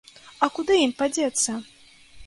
А куды ім падзецца!